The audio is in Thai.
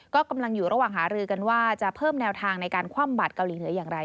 ก็กำลังอยู่ระหว่างหารือกันว่าจะเพิ่มแนวทางในการคว่ำบัตรเกาหลีเหนืออย่างไร